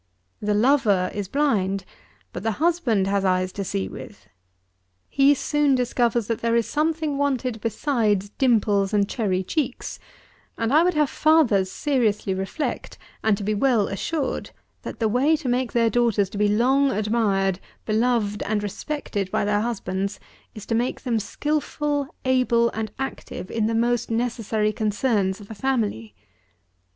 The lover is blind; but the husband has eyes to see with. He soon discovers that there is something wanted besides dimples and cherry cheeks; and I would have fathers seriously reflect, and to be well assured, that the way to make their daughters to be long admired, beloved and respected by their husbands, is to make them skilful, able and active in the most necessary concerns of a family.